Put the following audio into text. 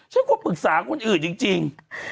ฉันควรปรึกษาคนอื่นจริง